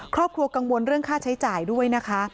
ครอบครัวกังวลเรื่องค่าใช้จ่ายด้วยนะคะ